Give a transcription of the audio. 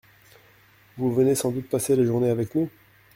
Vous venez sans doute passer la journée avec nous ?